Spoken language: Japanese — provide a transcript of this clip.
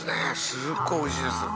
すっごいおいしいです。